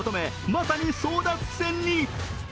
まさに争奪戦に。